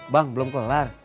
bang belum kelar